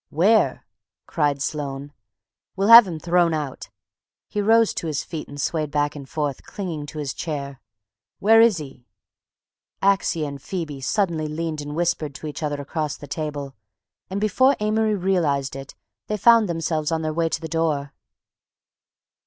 "Where?" cried Sloane. "We'll have him thrown out!" He rose to his feet and swayed back and forth, clinging to his chair. "Where is he?" Axia and Phoebe suddenly leaned and whispered to each other across the table, and before Amory realized it they found themselves on their way to the door.